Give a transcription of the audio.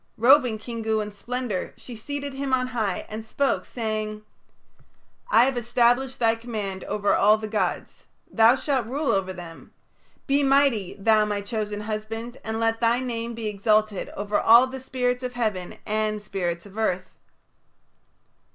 Robing Kingu in splendour, she seated him on high and spoke, saying: "I have established thy command over all the gods. Thou shalt rule over them. Be mighty, thou my chosen husband, and let thy name be exalted over all the spirits of heaven and spirits of earth."